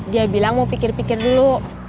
dia bilang mau pikir pikir dulu